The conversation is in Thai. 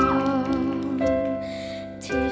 ดังนั้น